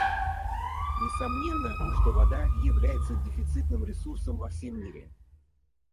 Несомненно, что вода является дефицитным ресурсом во всем мире.